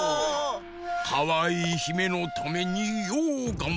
かわいいひめのためにようがんばった！